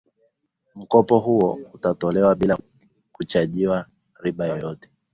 mkopo huo unatolewa bila kuchajiwa riba yoyote